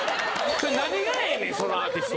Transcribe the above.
それ何がええねんそのアーティスト。